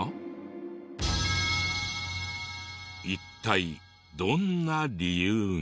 一体どんな理由が？